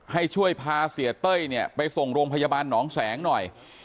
ให้ช่วยพาเสียเต้ยเนี่ยไปส่งโรงพยาบาลหนองแสงหน่อย